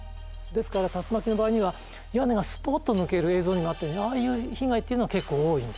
ですから竜巻の場合には屋根がすぽっと抜ける映像にもあったようにああいう被害っていうのは結構多いんですよね。